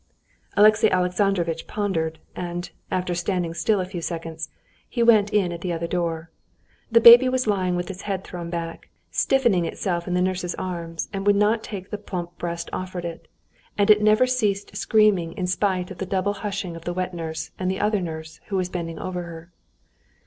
Alexey Alexandrovitch pondered, and after standing still a few seconds he went in at the other door. The baby was lying with its head thrown back, stiffening itself in the nurse's arms, and would not take the plump breast offered it; and it never ceased screaming in spite of the double hushing of the wet nurse and the other nurse, who was bending over her.